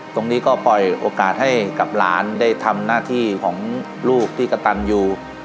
ตรงนี้ก็ปล่อยโอกาสให้กับหลานได้ทำหน้าที่ของลูกที่กระตันอยู่